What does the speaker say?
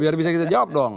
biar bisa kita jawab dong